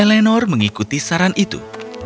eleanor mengikuti saran itu